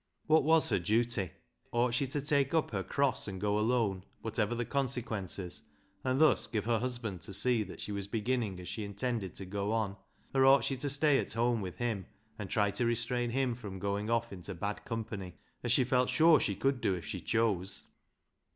What was her duty ? Ought she to take up her cross and go alone, whatever the con sequences, and thus give her husband to see that she was beginning as she intended to go on ; or ought she to stay at home with him, and try to restrain him from going off into bad company, as she felt sure she could do if she chose?